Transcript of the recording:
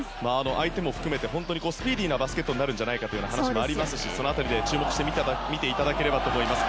相手も含めてスピーディーなバスケットになるんじゃないかという話もありますしその辺り、注目して見ていただければと思います。